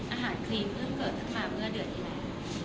อาหารครีมเพิ่งเกิดมาเมื่อเดือนนี้แม่